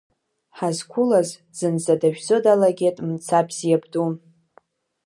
Ҳаазқәылаз зынӡа дажәӡо далагеит Мцабз иабду.